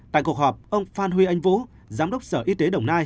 tại cuộc họp ông phan huy anh vũ giám đốc sở y tế đồng nai